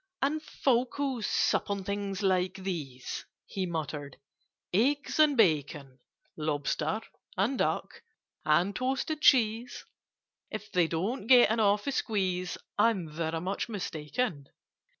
"And folk who sup on things like these—" He muttered, "eggs and bacon— Lobster—and duck—and toasted cheese— If they don't get an awful squeeze, I'm very much mistaken!